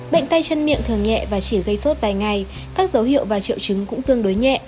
bệnh tay chân miệng thường nhẹ và chỉ gây suốt vài ngày các dấu hiệu và triệu chứng cũng tương đối nhẹ